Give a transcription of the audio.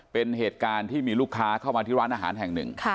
เป็นเหตุการณ์ที่มีลูกค้าเข้ามาที่ร้านอาหารแห่งหนึ่ง